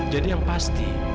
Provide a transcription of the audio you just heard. jadi yang pasti